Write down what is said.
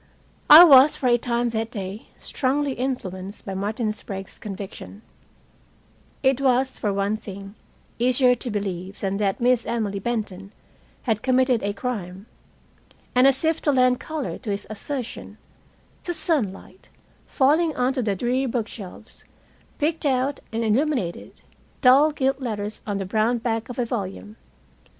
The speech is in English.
I was, for a time that day, strongly influenced by Martin Sprague's conviction. It was, for one thing, easier to believe than that Emily Benton had committed a crime. And, as if to lend color to his assertion, the sunlight, falling onto the dreary bookshelves, picked out and illuminated dull gilt letters on the brown back of a volume.